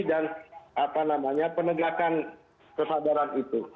dan apa namanya penegakan kesadaran itu